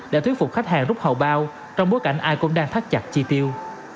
để thuyết phục khách hàng rút hậu bao trong bối cảnh ai cũng đang thắt chặt chi tiêu